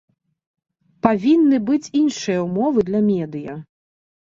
Павінны быць іншыя ўмовы для медыя.